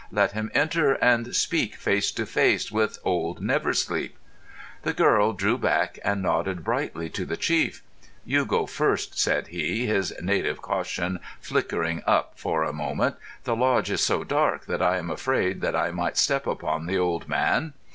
"Let him enter and speak face to face with old Never Sleep." The girl drew back and nodded brightly to the chief. "You go first," said he, his native caution flickering up for a moment. "The lodge is so dark, that I am afraid that I might step upon the old man."